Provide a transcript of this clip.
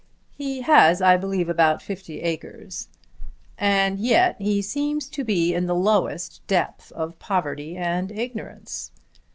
"He has I believe about fifty acres." "And yet he seems to be in the lowest depth of poverty and ignorance."